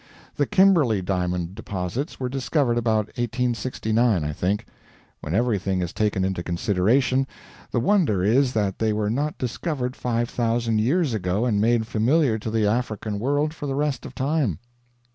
The Kimberley diamond deposits were discovered about 1869, I think. When everything is taken into consideration, the wonder is that they were not discovered five thousand years ago and made familiar to the African world for the rest of time.